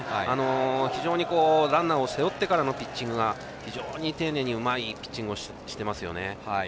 非常にランナーを背負ってからのピッチングが丁寧にうまいピッチングをしてますよね。